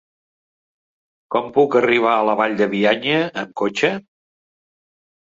Com puc arribar a la Vall de Bianya amb cotxe?